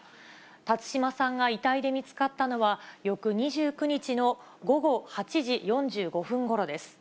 辰島さんが遺体で見つかったのは、翌２９日の午後８時４５分ごろです。